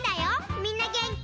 みんなげんき？